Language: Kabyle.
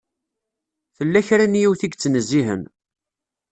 Tella kra n yiwet i yettnezzihen.